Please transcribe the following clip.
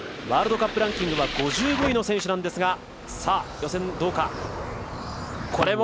ワールドカップランキングは５５位の選手なんですが。